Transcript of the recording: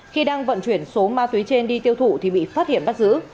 khi đang vận chuyển số ma túy trên đi tiêu thụ thì bị phát hiện bắt giữ